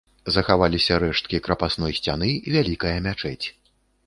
Захаваліся рэшткі крапасной сцяны, вялікая мячэць.